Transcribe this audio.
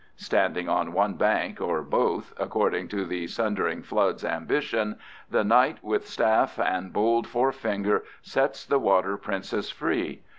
Standing on one bank or both, according to the sundering flood's ambition, the knight with staff and bold forefinger sets the water princess free.